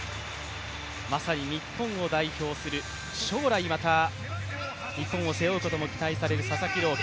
まさに日本を代表する、将来また日本を背負うことも期待される選手です。